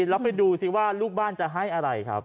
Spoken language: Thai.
แล้วไปดูสิว่าลูกบ้านจะให้อะไรครับ